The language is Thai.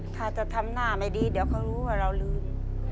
ถ้าจะทำหน้าไม่ดีเดี๋ยวเขารู้ว่าเราลืม